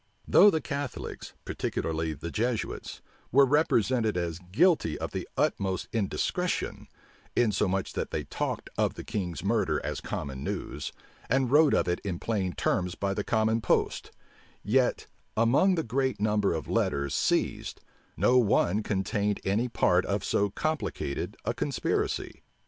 Though the Catholics, particularly the Jesuits, were represented as guilty of the utmost indiscretion, insomuch that they talked of the king's murder as common news, and wrote of it in plain terms by the common post, yet, among the great number of letters seized, no one contained any part of so complicated a conspiracy.